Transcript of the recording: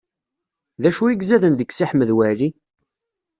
D acu i izaden deg Si Ḥmed Waɛli?